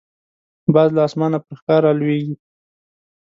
باز له اسمانه پر ښکار راولويږي